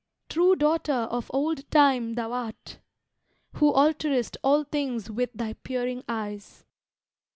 true daughter of Old Time thou art! Who alterest all things with thy peering eyes.